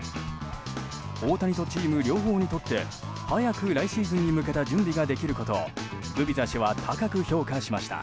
大谷とチーム両方にとって早く来シーズンに向けた準備ができることをグビザ氏は高く評価しました。